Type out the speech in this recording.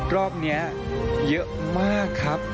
รอบนี้เยอะมากครับ